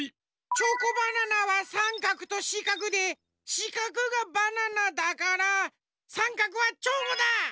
チョコバナナはさんかくとしかくでしかくがバナナだからさんかくはチョコだ！